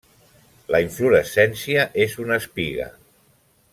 La inflorescència és una espiga.